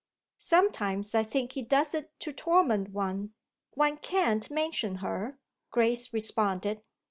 "Sometimes I think he does it to torment one. One can't mention her!" Grace responded.